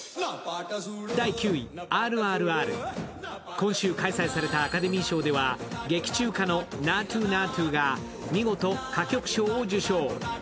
今週開催されたアカデミー賞では劇中歌の「ナートゥ・ナートゥ」が見事、歌曲賞を受賞。